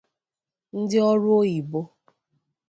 ndị ọrụ oyibo